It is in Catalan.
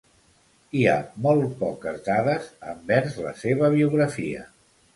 Hi ha molt poques dades envers la seva biografia.